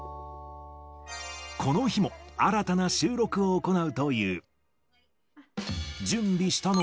この日も、新たな収録を行うという。